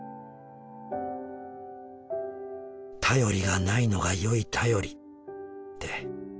『便りがないのがよい便り』って